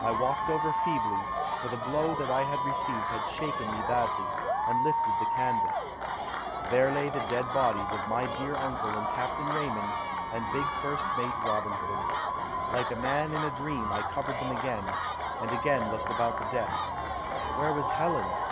I walked over feebly, for the blow that I had received had shaken me badly, and lifted the canvas. There lay the dead bodies of my dear uncle and Captain Raymond and big First Mate Robinson. Like a man in a dream I covered them again, and again looked about the deck. Where was Helen?